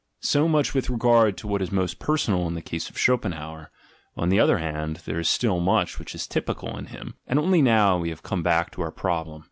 So much with regard to what is most per sonal in the case of Schopenhauer; on the other ha there is still much which is typical in him — and only now we come back to our problem.